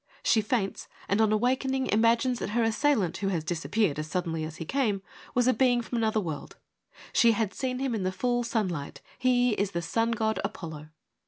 She faints, and on awakening imagines that her assailant, who has disappeared as suddenly as he came, was a being from another world : she had seen him in the full sunlight ; he is the sun god Apollo.